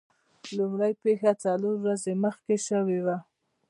لومړۍ پیښه څلور ورځې مخکې شوې وه.